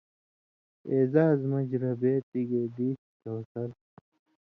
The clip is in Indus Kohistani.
اعزاز مژ ربے تی گے دی چھی کوثر